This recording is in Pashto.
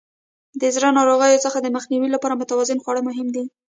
د زړه ناروغیو څخه د مخنیوي لپاره متوازن خواړه مهم دي.